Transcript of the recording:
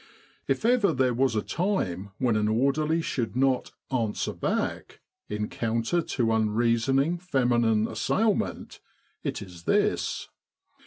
If ever there was a time when an orderly should not * answer back ' in counter to unreasoning feminine assailment, it is this.